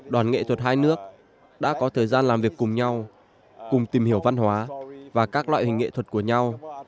đoàn nghệ thuật hai nước đã có thời gian làm việc cùng nhau cùng tìm hiểu văn hóa và các loại hình nghệ thuật của nhau